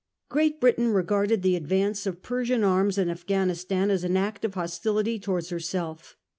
Great Britain regarded the advance of Per sian arms in Afghanistan as an act of hostility towards herself.